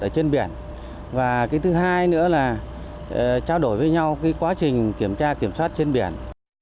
ở trên biển và thứ hai nữa là trao đổi với nhau quá trình kiểm tra kiểm soát trên biển